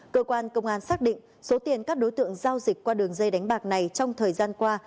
cơ quan công an xác định số tiền các đối tượng giao dịch qua đường dây đánh bạc này trong thời gian qua